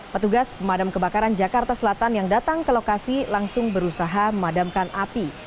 petugas pemadam kebakaran jakarta selatan yang datang ke lokasi langsung berusaha memadamkan api